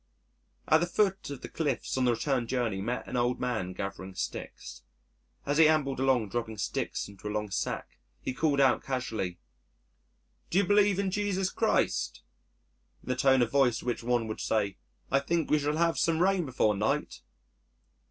At the foot of the cliffs on the return journey met an old man gathering sticks. As he ambled along dropping sticks into a long sack he called out casually, "Do you believe in Jesus Christ?" in the tone of voice in which one would say, "I think we shall have some rain before night."